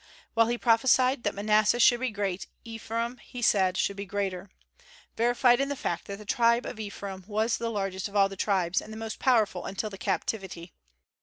While he prophesied that Manasseh should be great, Ephraim he said should be greater, verified in the fact that the tribe of Ephraim was the largest of all the tribes, and the most powerful until the captivity.